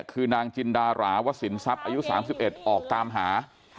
คือนางจินดาราวสินทรัพย์อายุ๓๑ออกตามหา